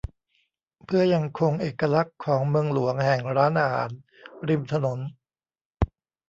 เพื่อยังคงเอกลักษณ์ของเมืองหลวงแห่งร้านอาหารริมถนน